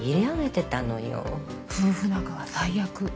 夫婦仲は最悪。